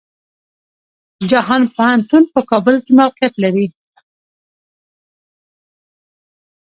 جهان پوهنتون په کابل کې موقيعت لري.